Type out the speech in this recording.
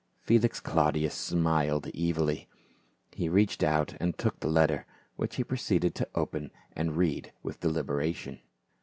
Feli.x Claudius smiled evilly ; he reached out and took the letter, which he proceeded to open and read with deliberation.